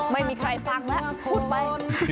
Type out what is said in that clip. ไม่มีใครฟังแล้วพูดไป